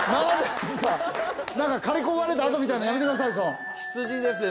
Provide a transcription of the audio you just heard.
何か刈り込まれたあとみたいなやめてください羊ですね